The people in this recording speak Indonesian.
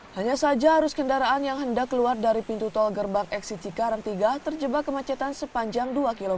hanya saja arus kendaraan yang hendak keluar dari pintu tol gerbang eksit cikarang tiga terjebak kemacetan sepanjang dua km